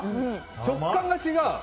食感が違う。